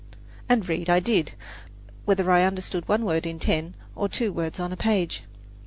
And read I did, whether I understood one word in ten or two words on a page.